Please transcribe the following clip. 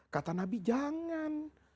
kata nabi jangan